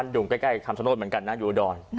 พืชเล่ามากโย